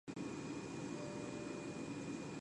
The most common trees are cedar elm, pecan and green ash.